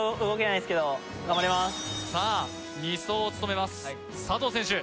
はいさあ２走を務めます佐藤選手